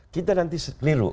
kita nanti keliru